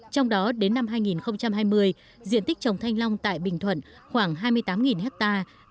trong đó đến năm hai nghìn hai mươi diện tích trồng thanh long tại bình thuận khoảng hai mươi tám hectare